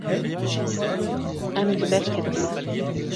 Em li ber ketine.